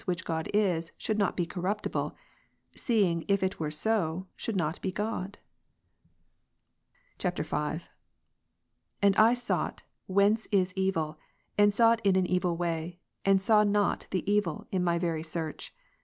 which God is, should not be corruptible," seeing if it were so, it should not be God ? [V.] 7. And I sought, "whence is evil," and sought in an evil way; and saw not the evil in my very search.